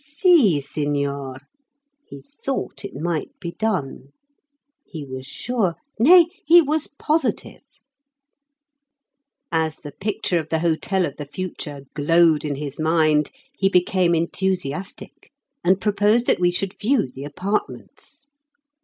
"Si, signor"; he thought it might be done. He was sure nay, he was positive. As the picture of the hotel of the future glowed in his mind he became enthusiastic, and proposed that we should view the apartments.